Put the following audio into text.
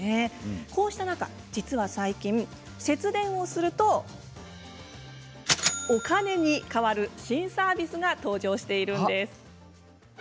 こうした中、実は最近節電をするとお金に換わる新サービスが登場しているんです。